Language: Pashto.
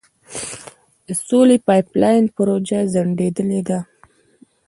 د سولې پایپ لاین پروژه ځنډیدلې ده.